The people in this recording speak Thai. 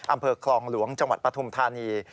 อำเภอคลองหลวงจังหวัดปฐุมธานี